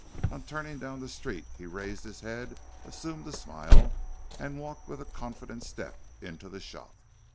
On turning down the street he raised his head, assumed a smile and walked with a confident step into the shop.